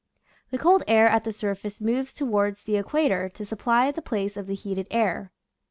The cold air at the surface moves toward the equa tor to supply the place of the heated air.